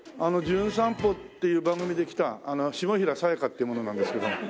『じゅん散歩』っていう番組で来た下平さやかっていう者なんですけど。